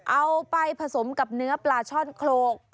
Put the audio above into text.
เอาไปผสมกับเนื้อปลาช่อนโครก